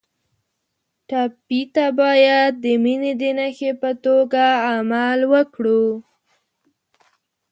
ټپي ته باید د مینې د نښې په توګه عمل وکړو.